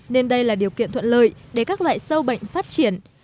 nên đây là điều kiện thuận lợi để các loại sâu bệnh phát triển